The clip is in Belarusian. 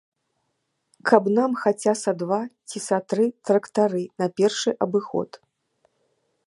Каб нам хаця са два ці са тры трактары на першы абыход.